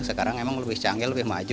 sekarang emang lebih canggih lebih maju